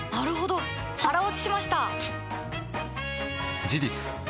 腹落ちしました！